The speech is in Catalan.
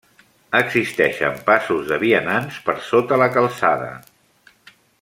Existeixen passos de vianants per sota la calçada.